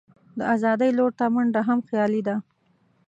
د آزادۍ لور ته منډه هم خیالي ده.